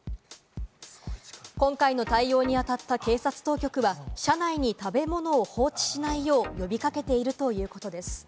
今回の対応にあたった警察当局は車内に食べ物を放置しないよう呼び掛けているということです。